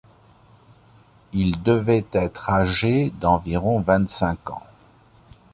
Il devait être âgé d'environ vingt-cinq ans.